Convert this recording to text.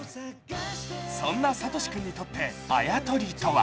そんな聡志君にとってあやとりとは？